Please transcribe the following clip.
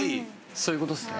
そういう事ですね。